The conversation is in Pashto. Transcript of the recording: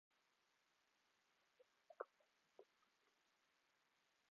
نه به مي قبر چاته معلوم وي